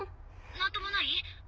何ともない？